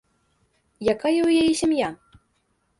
Якая ў яе сям'я?